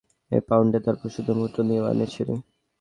Algae powder আর পরিশোধিত মুত্র দিয়ে বানিয়েছি।